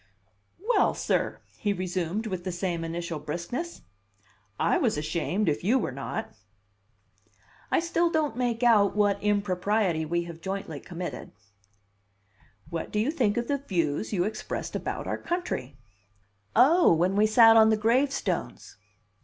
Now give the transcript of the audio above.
"Well, sir," he resumed with the same initial briskness, "I was ashamed if you were not." "I still don't make out what impropriety we have jointly committed." "What do you think of the views you expressed about our country?" "Oh! When we sat on the gravestones."